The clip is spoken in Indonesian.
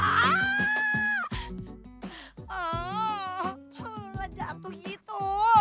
aaaaah jatuh gitu